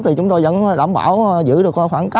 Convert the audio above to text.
thì chúng tôi vẫn đảm bảo giữ được khoảng hai năm